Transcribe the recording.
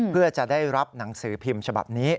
เพื่อจะได้รับหนังสือพิมพ์ฉบับนี้